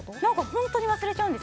本当に忘れちゃうんです。